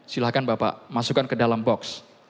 silahkan bapak masukkan ke dalam box